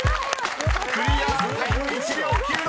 ［クリアタイム１秒９６！］